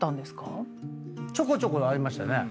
ちょこちょこありましたね